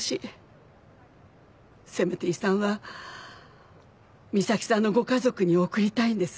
せめて遺産は美咲さんのご家族に贈りたいんです。